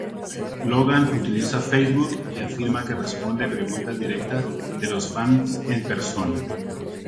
Logan utiliza Facebook y afirma que responde preguntas directas de los fans en persona.